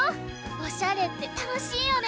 おしゃれってたのしいよね！